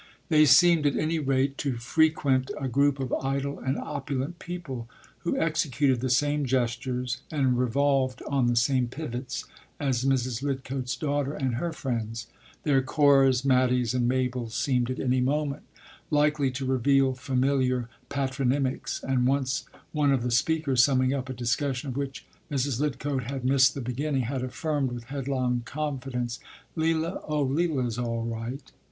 They seemed, at any rate, to frequent a group of idle and opulent people who executed the same gestures and revolved on the same pivots as Mrs. Lidcote’s daughter and her friends: their Coras, Matties and Mabels seemed at any moment likely to reveal familiar patronymics, and once one of the speakers, summing up a discussion of which Mrs. Lidcote had missed the beginning, had affirmed with headlong confidence: “Leila? Oh, Leila’s all right.